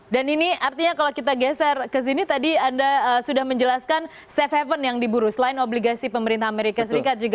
dan ini artinya kalau kita geser ke sini tadi anda sudah menjelaskan safe haven yang diburu selain obligasi pemerintah amerika serikat juga safe haven yang diburu